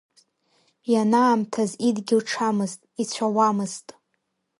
Ианаамҭаз идгьыл ҽамызт, ицәаӷәамызт…